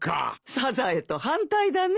サザエと反対だね。